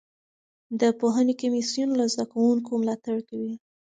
د پوهنې کمیسیون له زده کوونکو ملاتړ کوي.